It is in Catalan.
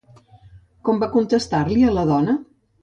Com va contestar-li a la dona?